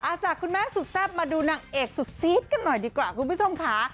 จากคุณแม่สุดแซ่บมาดูนางเอกสุดซีดกันหน่อยดีกว่าคุณผู้ชมค่ะ